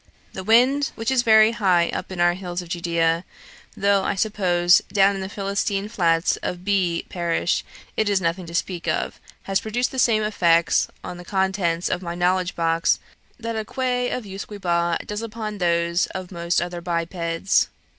The wind, which is very high up in our hills of Judea, though, I suppose, down in the Philistine flats of B. parish it is nothing to speak of, has produced the same effects on the contents of my knowledge box that a quaigh of usquebaugh does upon those of most other bipeds.